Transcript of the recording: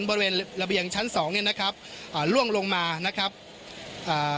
บริเวณระเบียงชั้นสองเนี้ยนะครับอ่าล่วงลงมานะครับอ่า